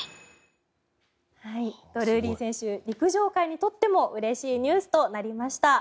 ドルーリー選手陸上界にとってもうれしいニュースとなりました。